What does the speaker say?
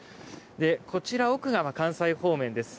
こちら奥側が関西方面です。